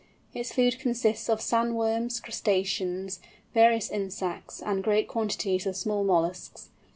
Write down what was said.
Its food consists of sand worms, crustaceans, various insects and great quantities of small molluscs.